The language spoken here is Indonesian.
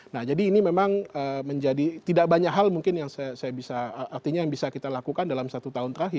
nah jadi ini memang menjadi tidak banyak hal mungkin yang saya bisa artinya yang bisa kita lakukan dalam satu tahun terakhir